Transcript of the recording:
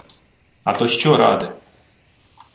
— А то що ради?